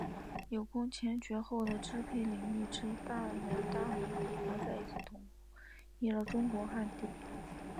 有空前绝后的支配领域之大元大蒙古国再次统一了中国汉地。